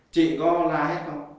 chị có la hét không